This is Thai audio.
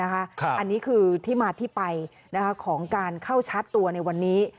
อันนี้คือที่มาที่ไปของการเข้าชาร์จตัวในวันนี้